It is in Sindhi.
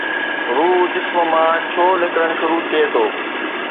روح جسم مان ڇو نڪرڻ شروع ٿئي ٿو؟